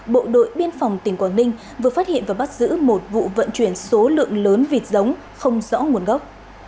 bộ đội biên phòng tỉnh quảng ninh vừa phát hiện và bắt giữ một vụ vận chuyển số lượng lớn vịt giống không rõ nguồn gốc